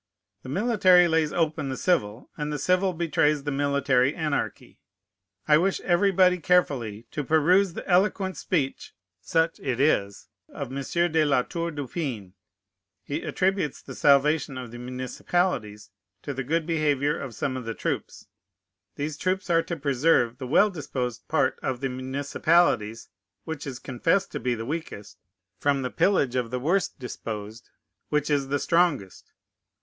The military lays open the civil, and the civil betrays the military anarchy. I wish everybody carefully to peruse the eloquent speech (such it is) of Mons. de La Tour du Pin. He attributes the salvation of the municipalities to the good behavior of some of the troops. These troops are to preserve the well disposed part of the municipalities, which is confessed to be the weakest, from the pillage of the worst disposed, which is the strongest.